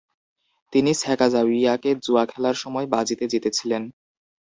তিনি স্যাকাজাউইয়াকে জুয়া খেলার সময় বাজিতে জিতেছিলেন।